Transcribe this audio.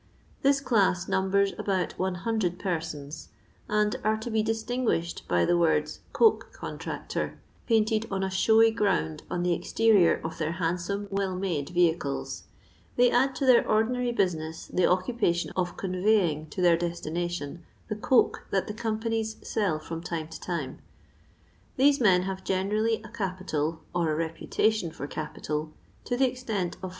This class numbers about 100 persons, and are to be distinguished by the words " coke contractor," painted on a showy ground on the exterior of their handsome well msde vehicles ; they add to their ordinary business the occupation of conveying to their destination the coke that the companies sell from time to time. These men have generally a capital, or a reputation for capital, to the extent of 400